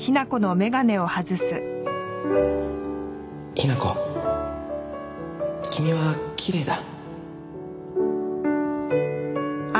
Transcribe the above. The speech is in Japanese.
雛子君はきれいだ。